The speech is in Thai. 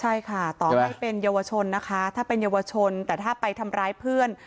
ใช่ค่ะต่อให้เป็นเยาวชนนะคะถ้าเป็นเยาวชนแต่ถ้าไปทำร้ายเพื่อน